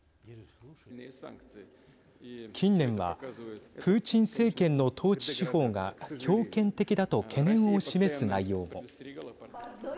近年はプーチン政権の統治手法が強権的だと懸念を示す内容も。